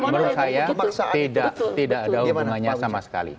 menurut saya tidak ada hubungannya sama sekali